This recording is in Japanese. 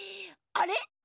あれ？